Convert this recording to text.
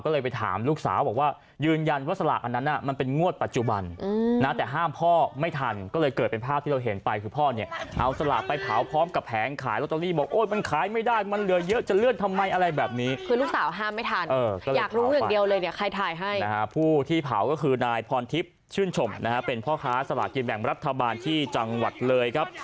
หรือแบ่งรัฐบาลที่จังหวัดเลยครับ